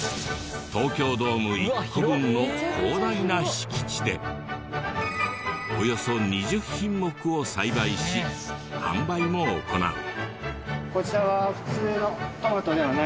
東京ドーム１個分の広大な敷地でおよそ２０品目を栽培し販売も行う。